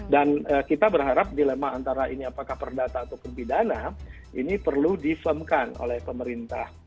dan kita berharap dilema antara ini apakah perdata atau kempidana ini perlu diselamkan oleh pemerintah